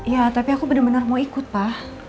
ya tapi aku bener bener mau ikut pa